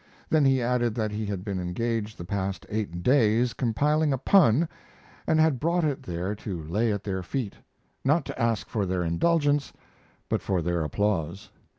Then he added that he had been engaged the past eight days compiling a pun and had brought it there to lay at their feet, not to ask for their indulgence, but for their applause.